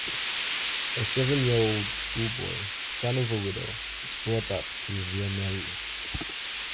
A seven-year-old school-boy, son of a widow, is brought up to revere Mary.